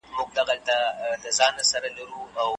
نن دي بیا اوږدو نکلونو